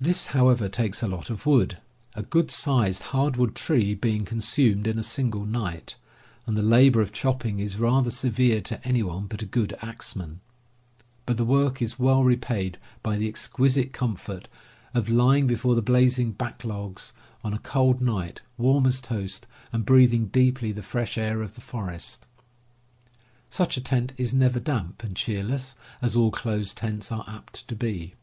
This, however, takes a lot of wood, a good sized hardwood tree being con sumed in a single night, and the labor of chopping is rather severe to any one but a good axeman; but the work is well repaid by the exquisite comfort of lying TENTS AND TOOLS 43 before the blazing backlogs on a cold night, warm as toast, and breathing deeply the fresh air of the forest. Such a tent is never damp and cheerless, as all closed tents are apt to be.